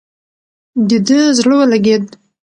د ده زړه ولګېد.